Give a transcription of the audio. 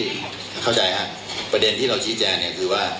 คือตอนเนี่ยประเด็นที่เข้าใจค่ะประเด็นที่เราชี้แจเนี่ยคือว่า